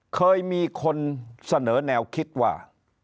เคยมีคนเสนอแนวคิดว่า